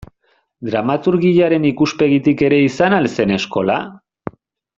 Dramaturgiaren ikuspegitik ere izan al zen eskola?